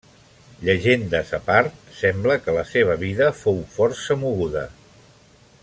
Llegendes a part, sembla que la seva vida fou força moguda.